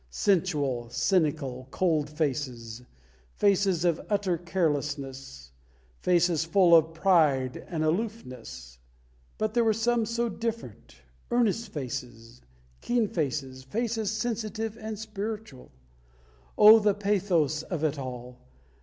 sensual, cynical, cold faces, faces of utter carelessness, faces full of pride and aloofness. But there were some so different earnest faces, keen faces, faces sensitive and spiritual. Oh, the pathos of it all!